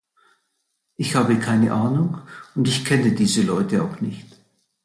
Ich habe keine Ahnung und ich kenne diese Leute auch nicht.